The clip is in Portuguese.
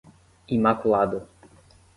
Imaculada